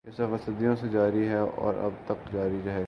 یہ سفر صدیوں سے جاری ہے اور ابد تک جاری رہے گا۔